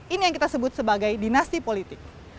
ini yang kita sebut sebagai dinasti politik